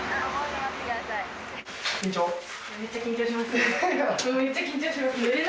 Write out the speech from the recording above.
めっちゃ緊張します。